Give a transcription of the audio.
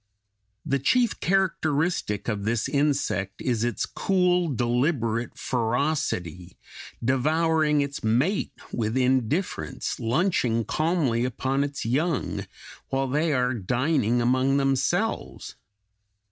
The chief characteristic of this insect is its cool, deliberate ferocity devouring its mate with indifference, lunching calmly upon its young, while they are dining among themselves.